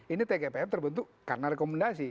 ini tgpf terbentuk karena rekomendasi